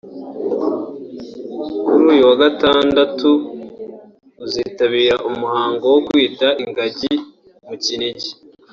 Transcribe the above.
Kuri uyu wa gatandatu azitabira umuhango wo kwita ingagi mu Kinigi